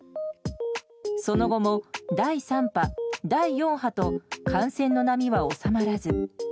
その後も第３波、第４波と、感染の波は収まらず。